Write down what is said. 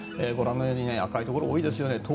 ご覧のように赤いところが多いですよね。